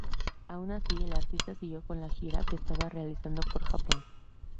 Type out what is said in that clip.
Aun así el artista siguió con la gira que estaba realizando por Japón.